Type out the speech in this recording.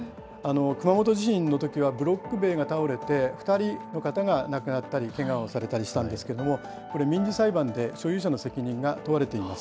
熊本地震のときは、ブロック塀が倒れて、２人の方が亡くなったり、けがをされたりしたんですけど、これ、民事裁判で所有者の責任が問われています。